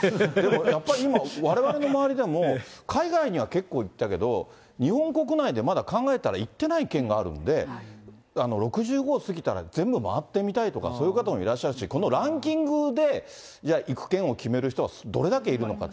やっぱり今、われわれの周りでも、海外には結構行ったけど、日本国内でまだ考えたら行ってない県があるんで、６５を過ぎたら、全部回ってみたいとか、そういう方もいらっしゃるし、ランキングでじゃあ、行く県を決める人はどれだけいるのかと。